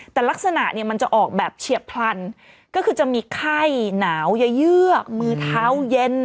แต่ลักษณะเนี่ยมันจะออกแบบเฉียบพลันก็คือจะมีไข้หนาวเยอะเยือกมือเท้าเย็น